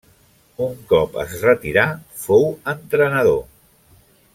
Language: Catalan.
Un cop es retirà fou entrenador.